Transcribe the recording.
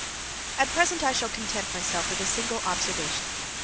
At present I shall content myself with a single observation.